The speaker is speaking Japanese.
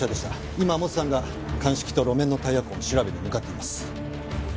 今モツさんが鑑識と路面のタイヤ痕を調べに向かっています。